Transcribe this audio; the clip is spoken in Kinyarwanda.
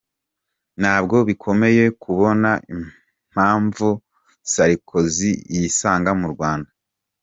Ntabwo bikomeye kubona impamvu Sarkozy yisanga mu Rwanda.